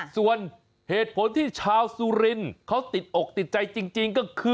ส่วนเหตุผลที่ชาวสุรินทร์เขาติดอกติดใจจริงก็คือ